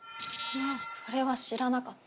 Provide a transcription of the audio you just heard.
それは知らなかった。